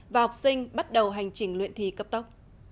và học sinh bắt đầu hành trình luyện thi cấp tốc